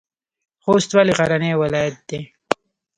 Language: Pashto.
خوست ولې غرنی ولایت دی؟